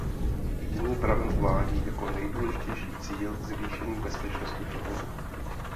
Jiný pramen uvádí jako nejdůležitější cíl zvýšení bezpečnosti provozu.